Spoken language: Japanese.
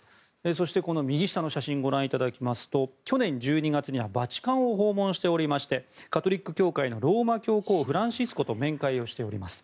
そして、右下の写真をご覧いただきますと去年１２月にはバチカンを訪問しておりましてカトリック教会のローマ教皇フランシスコと面会しております。